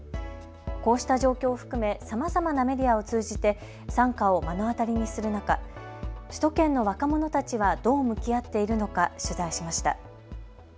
こうした状況を含めさまざまなメディアを通じて惨禍を目の当たりにする中、首都圏の若者たちはどう向き合っているのか取材しました。